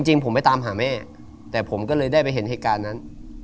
จริงผมไปตามหาแม่แต่ผมก็เลยได้ไปเห็นเหตุการณ์นั้น